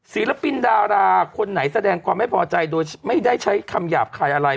ศิลปินดาราคนไหนแสดงความไม่พอใจโดยไม่ได้ใช้คำหยาบคายอะไร